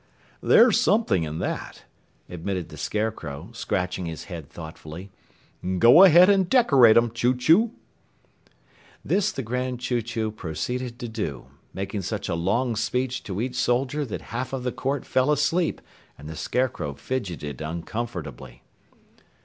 "There's something in that," admitted the Scarecrow, scratching his head thoughtfully. "Go ahead and decorate 'em, Chew Chew!" This the Grand Chew Chew proceeded to do, making such a long speech to each soldier that half of the Court fell asleep and the Scarecrow fidgeted uncomfortably.